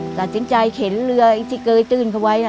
สตรัสจินใจเข็นเรือที่เกิดตื่นเขาไว้